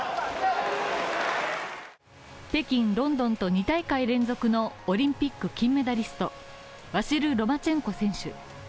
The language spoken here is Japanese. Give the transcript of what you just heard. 北京、ロンドンと２大会連続のオリンピック金メダリストワシル・ロマチェンコ選手。